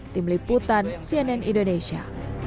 tim liputan cnn indonesia